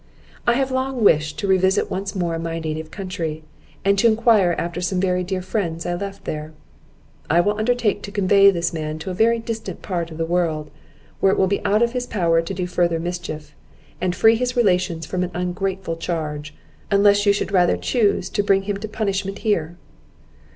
I have long wished to revisit once more my native country, and to enquire after some very dear friends I left there. I will undertake to convey this man to a very distant part of the world, where it will be out of his power to do further mischief, and free his relations from an ungrateful charge, unless you should rather chuse to bring him to punishment here."